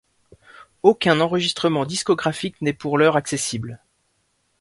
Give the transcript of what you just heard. Aucun enregistrement discographique n'est pour l'heure accessible.